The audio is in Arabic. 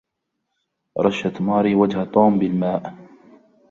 رشّت ماري وجه توم بالماء.